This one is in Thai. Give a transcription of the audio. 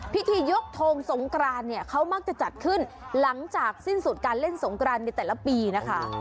พิธียกทงสงกรานเนี่ยเขามักจะจัดขึ้นหลังจากสิ้นสุดการเล่นสงกรานในแต่ละปีนะคะ